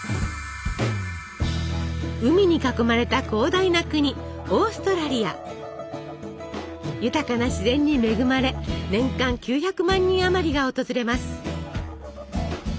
海に囲まれた広大な国豊かな自然に恵まれ年間９００万人あまりが訪れます。